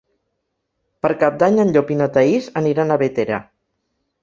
Per Cap d'Any en Llop i na Thaís aniran a Bétera.